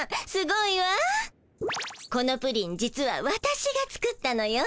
このプリン実は私が作ったのよ。